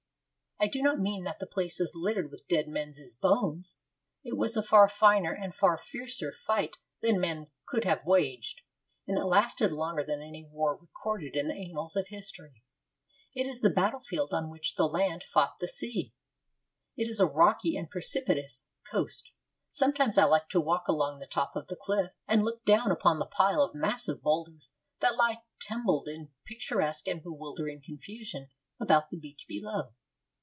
I do not mean that the place is littered with dead men's bones. It was a far finer and a far fiercer fight than men could have waged, and it lasted longer than any war recorded in the annals of history. It is the battle field on which the land fought the sea. It is a rocky and precipitous coast. Sometimes I like to walk along the top of the cliff, and look down upon the pile of massive boulders that lie tumbled in picturesque and bewildering confusion about the beach below.